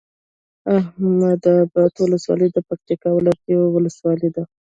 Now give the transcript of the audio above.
احمداباد ولسوالۍ د پکتيا ولايت یوه ولسوالی ده